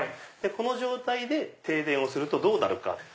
この状態で停電をするとどうなるか。